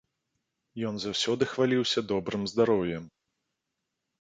Ён заўсёды хваліўся добрым здароўем.